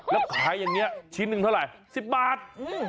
แล้วขายอย่างนี้ชิ้นหนึ่งเท่าไหร่๑๐บาท